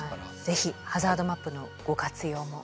是非ハザードマップのご活用も。